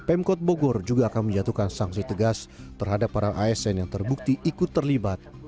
pemkot bogor juga akan menjatuhkan sanksi tegas terhadap para asn yang terbukti ikut terlibat